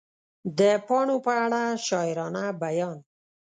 د پاڼو په اړه شاعرانه بیان